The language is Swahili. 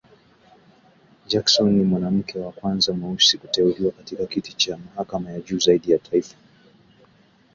Jackson ni mwanamke wa kwanza mweusi kuteuliwa katika kiti cha mahakama ya juu zaidi ya taifa.